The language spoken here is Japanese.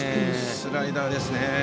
スライダーですね。